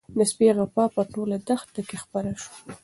د سپي غپا په ټوله دښته کې خپره شوه.